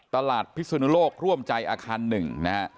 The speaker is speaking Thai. พิศนุโลกร่วมใจอาคารหนึ่งนะฮะ